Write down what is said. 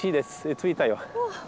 着いたよ。